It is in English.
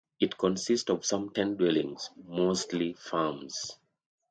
It consists of some ten dwellings, mostly farms.